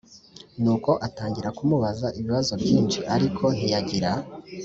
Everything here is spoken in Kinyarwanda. Nuko atangira kumubaza ibibazo byinshi ariko ntiyagira